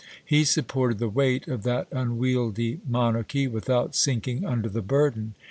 He supported the weight of that unwieldy monarchy, without sinking under the burden.